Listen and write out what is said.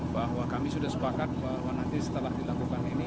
bahwa kami sudah sepakat bahwa nanti setelah dilakukan ini